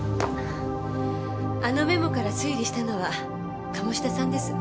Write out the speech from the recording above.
あのメモから推理したのは鴨志田さんです。